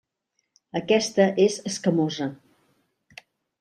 Aquesta és escamosa.